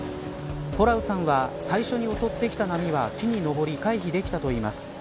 フォラウさんは最初に襲ってきた波は木に登り回避できたといいます。